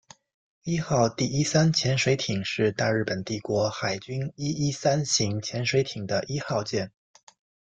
伊号第一三潜水舰是大日本帝国海军伊一三型潜水艇的一号舰。